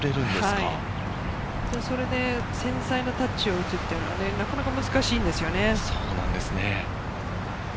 それで繊細なタッチを打つっていうのはなかなか難しいんですよね。